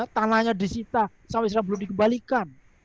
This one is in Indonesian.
tanahnya disita sampai sekarang belum dikembalikan